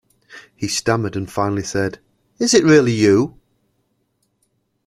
He stammered and finally said, "is it really you?".